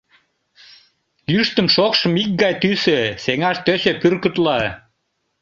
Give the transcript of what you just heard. Йӱштым-шокшым икгай тӱсӧ, сеҥаш тӧчӧ пӱркытла.